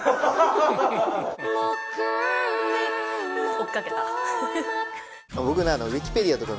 「追っかけた」